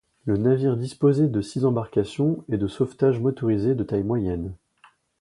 Le navire disposait de six embarcations de sauvetage motorisées de taille moyenne.